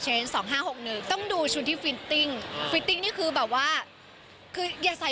เชนส์๒๕๖๑ต้องดูชุดที่ฟิตติ้งฟิตติ้งนี่คือแบบว่าคืออย่าใส่